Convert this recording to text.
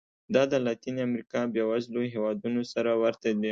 دا د لاتینې امریکا بېوزلو هېوادونو سره ورته دي.